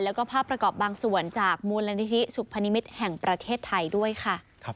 แล้วก็ภาพประกอบบางส่วนจากมูลนิธิสุพนิมิตรแห่งประเทศไทยด้วยค่ะ